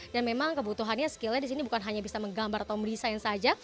dan memang kebutuhannya skill nya di sini bukan hanya bisa menggambar atau meresign saja